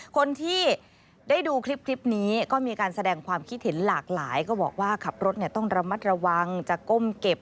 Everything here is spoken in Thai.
คนที่ได้ดูคลิปนี้ก็มีการแสดงความคิดเห็นหลากหลายก็บอกว่าขับรถต้องระมัดระวังจะก้มเก็บ